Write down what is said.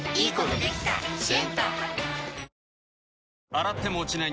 洗っても落ちない